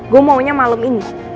gue maunya malam ini